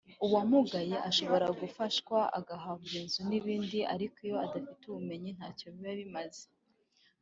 uwamugaye ashobora gufashwa agahabwa inzu n’ibindi ariko iyo adafite ubumenyi ntacyo biba bimaze